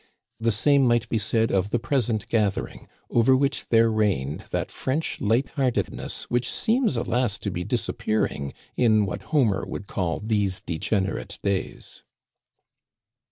The same might be said of the present gathering, over which there reigned that French light heartedness which seems, alas, to be disappearing in what Homer would call these degenerate days.